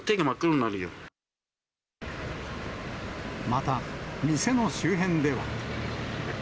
また、店の周辺では。